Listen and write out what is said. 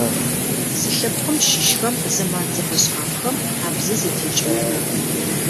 Зы лъэпкъым щыщхэм зэман зэфэшъхьафхэм абзэ зэтекӏэуи мэхъу.